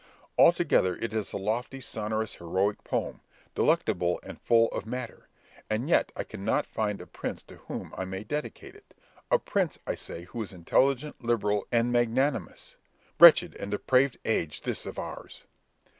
Altogether it is a lofty, sonorous, heroic poem, delectable and full of matter; and yet I cannot find a prince to whom I may dedicate it—a prince, I say, who is intelligent, liberal, and magnanimous. Wretched and depraved age this of ours!"